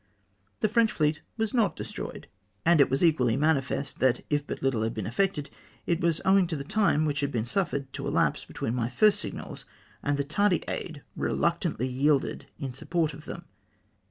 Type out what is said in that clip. The French fleet was not destroyed ; and it was equally manifest, that if but httk had been effected, it was owing to the time which had been suffered to elapse between my first signals and the tardy aid reluctantly yielded in support of them.